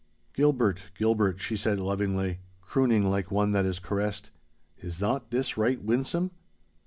'_ 'Gilbert, Gilbert,' she said lovingly, crooning like one that is caressed, 'is not this right winsome?